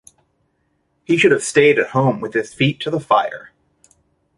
He should have stayed at home with his feet to the fire.